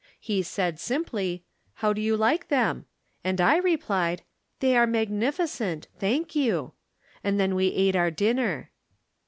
He said, simply :" How do you like them ?" and I replied, " They are mag nificent ! Thank you." And then we ate our dinner.